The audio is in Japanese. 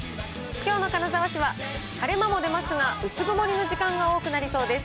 きょうの金沢市は晴れ間も出ますが、薄曇りの時間が多くなりそうです。